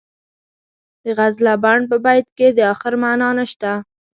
د غزلبڼ په بیت کې د اخر معنا نشته.